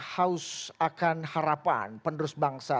haus akan harapan penerus bangsa